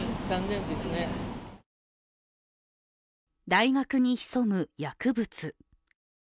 大学に潜む薬物。